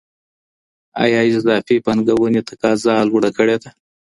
ايا اضافي پانګونې تقاضا لوړه کړې ده؟